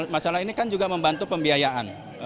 masalah ini kan juga membantu pembiayaan